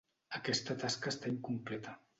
Aquesta tasca està incompleta.